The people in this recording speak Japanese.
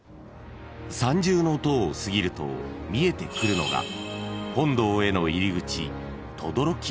［三重塔を過ぎると見えてくるのが本堂への入り口］